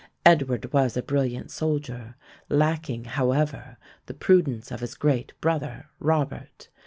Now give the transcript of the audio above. Edward was a brilliant soldier, lacking, however, the prudence of his great brother, Robert.